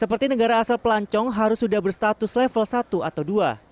seperti negara asal pelancong harus sudah berstatus level satu atau dua